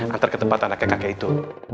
antar ke tempat anaknya kakek itu